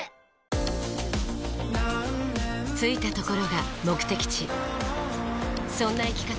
着いたところが目的地そんな生き方